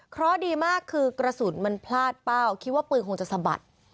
เพราะดีมากคือกระสุนมันพลาดเป้าคิดว่าปืนคงจะสะบัด